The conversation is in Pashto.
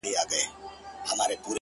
• چي په پاڼو د تاریخ کي لوستلې,